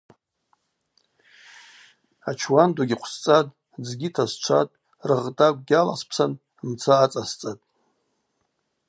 Ачуандугьи хъвсцӏатӏ, дзгьи тасчватӏ, рыгъгътӏакӏвгьи аласпсан мца ацӏасцӏатӏ.